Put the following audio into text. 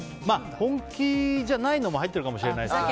本気じゃないのも入ってるかもしれないけど。